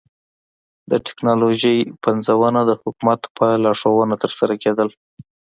د ټکنالوژۍ پنځونه د حکومت په لارښوونه ترسره کېدل.